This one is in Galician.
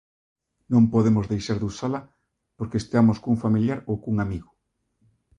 Non podemos deixar de usala porque esteamos cun familiar ou cun amigo.